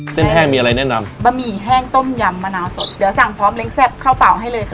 แห้งมีอะไรแนะนำบะหมี่แห้งต้มยำมะนาวสดเดี๋ยวสั่งพร้อมเล้งแซ่บเข้าเปล่าให้เลยค่ะ